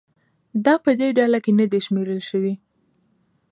دا په دې ډله کې نه دي شمېرل شوي